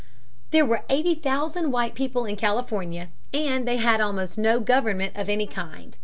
There were eighty thousand white people in California, and they had almost no government of any kind.